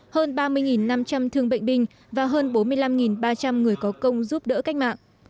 hơn ba mươi năm trăm linh thương bệnh binh và hơn bốn mươi năm ba trăm linh người có công giúp đỡ cách mạng